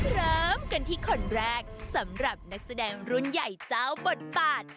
เริ่มกันที่คนแรกสำหรับนักแสดงรุ่นใหญ่เจ้าบทบาท